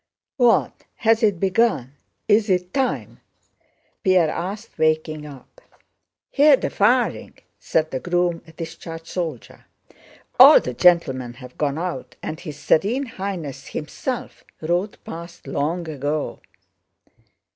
"What? Has it begun? Is it time?" Pierre asked, waking up. "Hear the firing," said the groom, a discharged soldier. "All the gentlemen have gone out, and his Serene Highness himself rode past long ago."